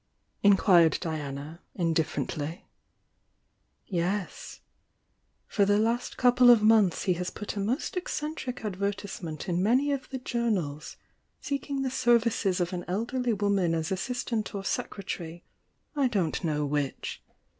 inquired Diana, indiffer ently. "Yes, — for the last couple of months he has put a most eccentric advertisement in many of the jour nals, seeking the services of an elderly woman as assistant or secretary — I don't know which.